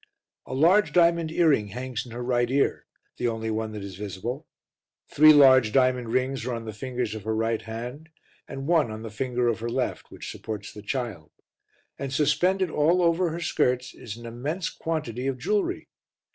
A large diamond earring hangs in her right ear, the only one that is visible; three large diamond rings are on the fingers of her right hand and one on the finger of her left which supports the Child, and suspended all over her skirts is an immense quantity of jewellery.